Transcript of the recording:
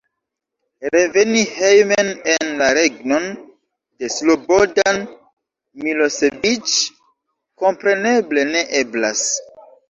Reveni hejmen en la regnon de Slobodan Miloseviĉ, kompreneble, ne eblas.